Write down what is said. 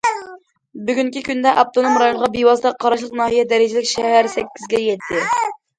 بۈگۈنكى كۈندە، ئاپتونوم رايونغا بىۋاسىتە قاراشلىق ناھىيە دەرىجىلىك شەھەر سەككىزگە يەتتى.